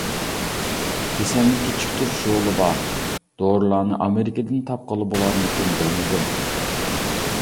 كېسەلنى كېچىكتۈرۈش رولى بار دورىلارنى ئامېرىكىدىن تاپقىلى بولارمىكىن بىلمىدىم.